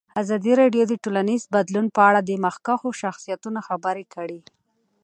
ازادي راډیو د ټولنیز بدلون په اړه د مخکښو شخصیتونو خبرې خپرې کړي.